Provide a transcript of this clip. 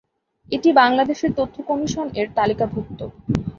এটি বাংলাদেশের তথ্য কমিশন এর তালিকাভুক্ত।